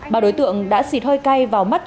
ba đối tượng đã xịt hơi cay